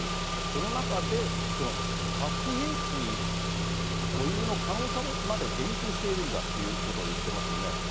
その中で、核兵器保有の可能性まで言及しているんだっていうことをいってますよね。